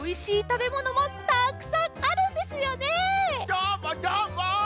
どーもどーも！